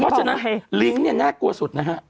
เพราะฉะนั้นลิงก์เนี่ยน่ากลัวสุดนะฮะ